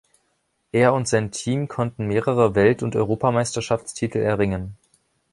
Er und sein Team konnten mehrere Welt- und Europameisterschaftstitel erringen.